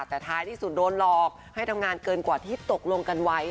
แต่ท้ายที่สุดโดนหลอกให้ทำงานเกินกว่าที่ตกลงกันไว้